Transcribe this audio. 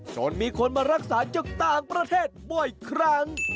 จนมีคนมารักษาจากต่างประเทศบ่อยครั้ง